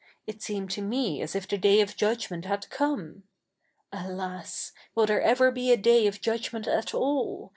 It seemed to me as if the day of judgment had come. {Alas ! will there ever be a day of judgment at all